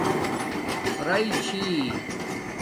رئ چھئ